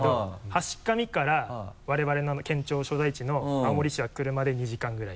階上から我々の県庁所在地の青森市は車で２時間ぐらい。